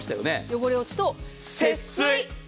汚れ落ちと節水。